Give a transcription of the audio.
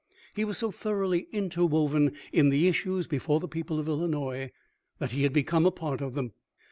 He was so thoroughly interwoven in the issues before the people of Illinois that he had become a part of them.